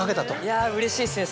いやうれしいですね